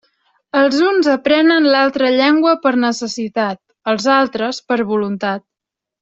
Els uns aprenen l'altra llengua per necessitat; els altres, per voluntat.